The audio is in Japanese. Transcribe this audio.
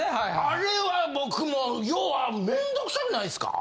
あれは僕も面倒くさくないですか？